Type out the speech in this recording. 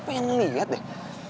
kamu tuh pengen liat deh